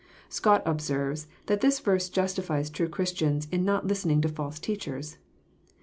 Scott observes that this verse Justifies true Christians in not listening to false teachers.